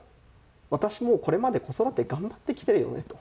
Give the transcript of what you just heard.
私も、これまで子育て頑張ってきてるよねと。